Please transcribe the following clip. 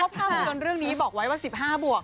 ภาพยนตร์เรื่องนี้บอกไว้ว่า๑๕บวก